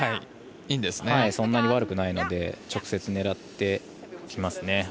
そんなに悪くないので直接狙ってきますね。